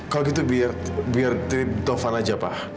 kalau gitu biar biar di taufan aja pak